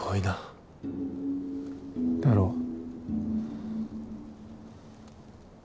だろ。